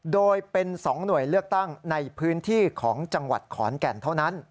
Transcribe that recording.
โดยเป็น๒หน่วยเลือกตั้งในพื้นที่ของจังหวัดขอนแก่นเท่านั้น